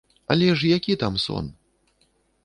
Але ж які там сон?